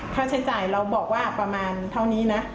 ค่าใช้จ่ายเราบอกว่าประมาณเท่านี้นะ